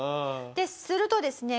するとですね。